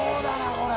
これ。